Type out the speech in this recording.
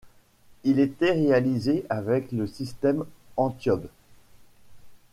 Il était réalisé avec le système Antiope.